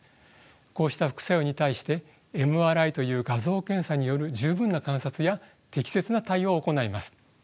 こうした副作用に対してＭＲＩという画像検査による十分な観察や適切な対応を行います。